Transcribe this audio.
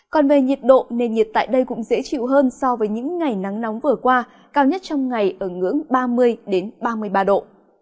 còn về nhiệt độ nền nhiệt tại đây cũng dễ chịu hơn so với những ngày nắng nóng vừa qua cao nhất trong ngày ở ngưỡng ba mươi ba mươi ba độ